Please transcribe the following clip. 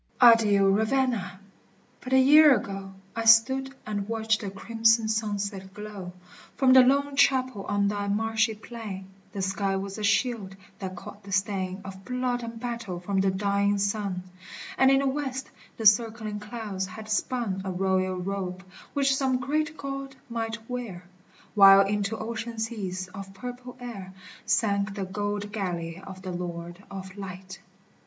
VII Adieu, Ravenna ! but a year ago, I stood and watched the crimson sunset glow [17:1 From the lone chapel on thy marshy plain : The sky was as a shield that caught the stain Of blood and battle from the dying sun, And in the west the circling clouds had spun A royal robe, which some great God might wear, While into ocean seas of purple air Sank the gold galley of the Lord of Light.